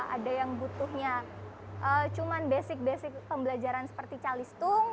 ada yang butuhnya cuma basic basic pembelajaran seperti calistung